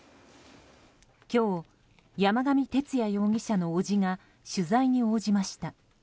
今日、山上徹也容疑者の伯父が取材に応じました。